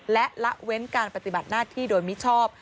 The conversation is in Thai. และละเว้นการปฏิบัติหน้าที่โดยมิชอบ